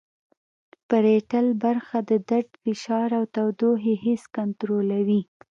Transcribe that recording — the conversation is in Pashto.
پریټل برخه د درد فشار او تودوخې حس کنترولوي